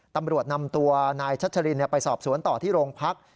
ตำรวจนำตัวนายชัชรินไปสอบสวนต่อที่โรงพัก